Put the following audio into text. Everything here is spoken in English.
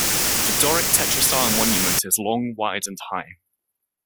The Doric tetrastyle monument is long, wide and high.